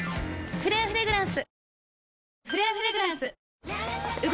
「フレアフレグランス」